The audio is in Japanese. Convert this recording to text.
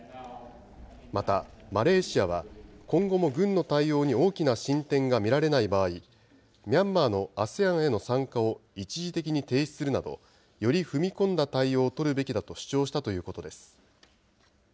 また、マレーシアは、今後も軍の対応に大きな進展が見られない場合、ミャンマーのＡＳＥＡＮへの参加を一時的に停止するなど、より踏み込んだ対応を取るべきだと主張したということです。